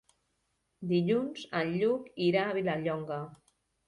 Dilluns en Lluc irà a Vilallonga.